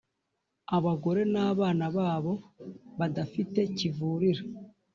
abagore n abana babo badafite kivurira